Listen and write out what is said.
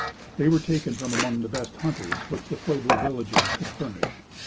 They were taken from among the best hunters which the Pueblo villages could furnish.